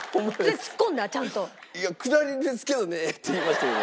「いや下りですけどね」って言いましたけど。